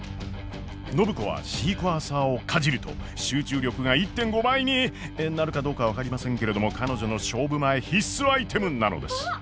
暢子はシークワーサーをかじると集中力が１．５倍になるかどうかは分かりませんけれども彼女の勝負前必須アイテムなのです。